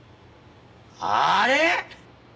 あれ！？